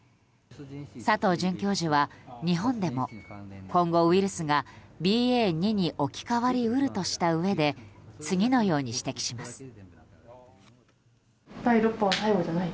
佐藤准教授は、日本でも今後、ウイルスがＢＡ．２に置き換わり得るとしたうえで次のように指摘します。